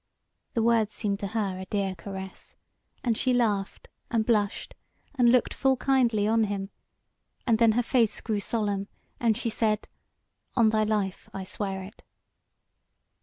The words seemed to her a dear caress; and she laughed, and blushed, and looked full kindly on him; and then her face grew solemn, and she said: "On thy life I swear it!"